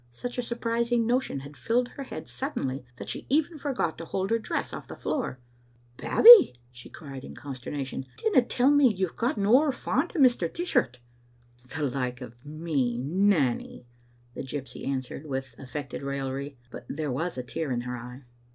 Such a surprising notion had filled her head suddenly that she even forgot to hold her dress off the floor. "Babbie," she cried, in consternation, "dinna tell me you've gotten ower fond o' Mr. Dishart." "The like of me, Nanny!" the gypsy answered, with affected raillery, but there was a tear in her eye.